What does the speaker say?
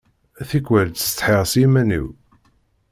Tikwal ttsetḥiɣ s yiman-iw.